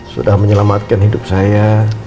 sudah menyelamatkan hidup saya